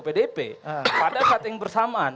pdp pada saat yang bersamaan